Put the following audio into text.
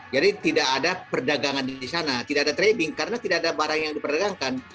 jadi tidak ada perdagangan di sana tidak ada trading karena tidak ada barang yang diperdagangkan